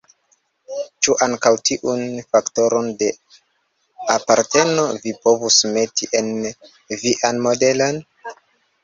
Ĉu ankaŭ tiun faktoron de aparteno vi povus meti en vian modelon?